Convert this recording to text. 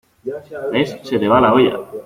¿ ves? se te va la olla.